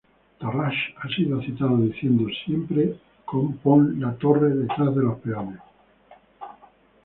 Tarrasch ha sido citado diciendo ""Siempre pon la torre detrás de los peones...